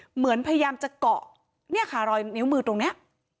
เหมือนพยายามจะเกาะเนี่ยค่ะรอยนิ้วมือตรงนี้